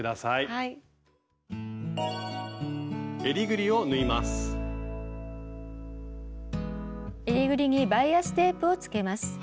襟ぐりにバイアステープをつけます。